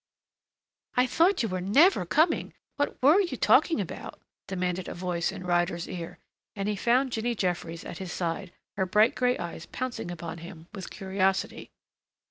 "I thought you were never coming! What were you talking about?" demanded a voice in Ryder's ear, and he found Jinny Jeffries at his side, her bright gray eyes pouncing upon him with curiosity.